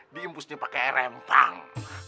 diimpus dipakai rentang